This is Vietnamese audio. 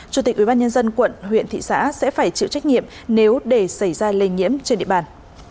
chủ tịch ubnd quận huyện thị xã sẽ phải chịu trách nhiệm nếu để xảy ra lây nhiễm trên địa bàn